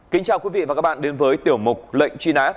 kính chào quý vị và các bạn đến với tiểu mục lệnh truy nã